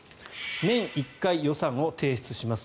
年１回予算を提出します